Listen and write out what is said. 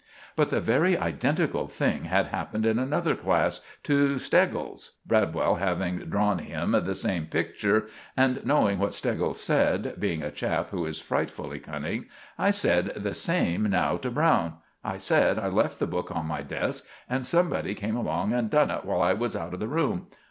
But the very identical thing had happened in another class to Steggles, Bradwell having drawn him the same picture; and knowing what Steggles said, being a chap who is frightfully cunning, I said the same now to Browne. I said I left the book on my desk, and somebody came along and done it while I was out of the room.